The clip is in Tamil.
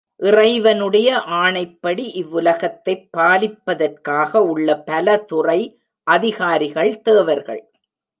இறைவனுடைய ஆணைப்படி இவ்வுலகத்தைப் பாலிப்பதற்காக உள்ள பலதுறை அதிகாரிகள் தேவர்கள்.